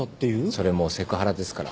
それもうセクハラですから。